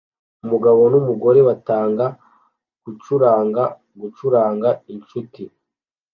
Umugore numugabo batanga gucuranga gucuranga inshuti